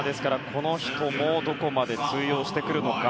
この人もどこまで通用してくるのか。